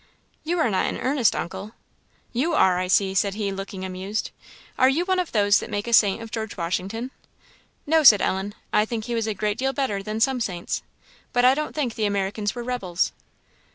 "You are not in earnest, uncle?" "You are, I see," said he, looking amused. "Are you one of those that make a saint of George Washington?" "No," said Ellen, "I think he was a great deal better than some saints. But I don't think the Americans were rebels."